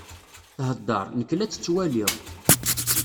Thedder, nek la tt-ttwaliɣ.